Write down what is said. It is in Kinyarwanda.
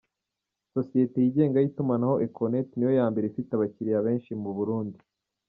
Sosiyete yigenga y’itumanaho Econet niyo ya mbere ifite abakiriya benshi mu Burundi.